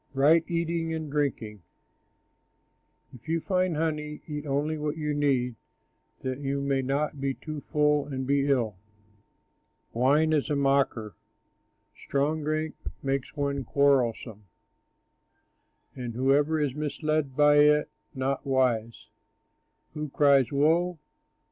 RIGHT EATING AND DRINKING If you find honey, eat only what you need, That you may not be too full and be ill. Wine is a mocker, strong drink makes one quarrelsome, And whoever is misled by it is not wise. Who cries, "Woe"?